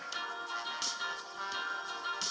oke selamat malam semuanya